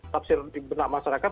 tafsir benak masyarakat